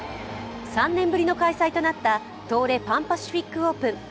３年ぶりの開催となった東レパンパシフィックオープン。